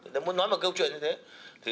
đấy muốn nói mà kêu chuyện như thế